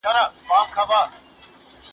ماشوم کولی سي خپل نظر ووايي.